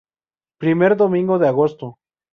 Primer domingo de agosto.